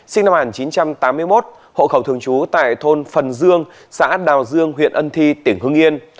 sinh năm một nghìn chín trăm tám mươi một hội khẩu thường chú tại thôn phần dương xã đào dương huyện ân thi tỉnh hưng yên